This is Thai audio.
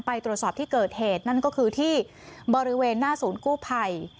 ไปตรวจสอบที่เกิดเหตุนั่นก็คือที่บริเวณหน้าศูนย์กู้ภัย